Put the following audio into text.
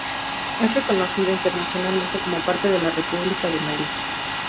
Es reconocido internacionalmente como parte de la República de Malí.